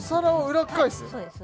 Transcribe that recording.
そうです